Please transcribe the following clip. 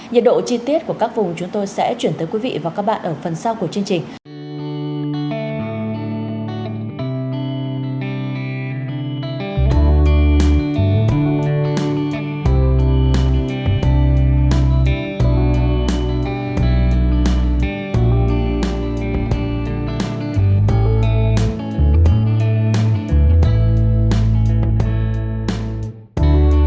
nhiệt độ chi tiết của các vùng chúng tôi sẽ chuyển tới quý vị và các bạn ở phần sau của chương trình